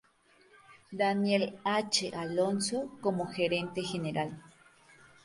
Daniel H. Alonso como Gerente General.